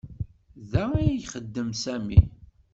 Da ay ixeddem Sami.